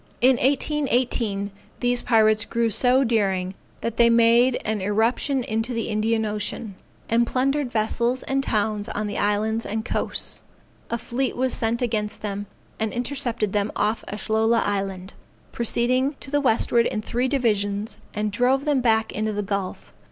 In 1818, these pirates grew so daring that they made an irruption into the Indian Ocean, and plundered vessels and towns on the islands and coasts. A fleet was sent against them, and intercepted them off Ashlola Island, proceeding to the westward in three divisions; and drove them back into the gulf.